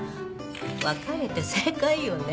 別れて正解よね。